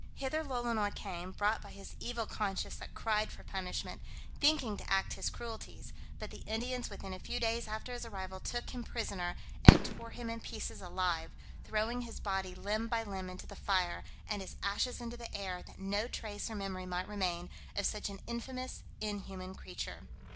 Hither Lolonois came (brought by his evil conscience that cried for punishment), thinking to act his cruelties; but the Indians within a few days after his arrival took him prisoner, and tore him in pieces alive, throwing his body limb by limb into the fire, and his ashes into the air, that no trace or memory might remain of such an infamous, inhuman creature.